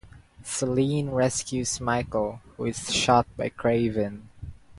Selene rescues Michael, who is shot by Kraven.